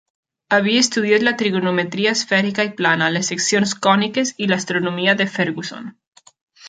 Havia estudiat la trigonometria esfèrica i plana, les seccions còniques i l'"Astronomia" de Fergusson.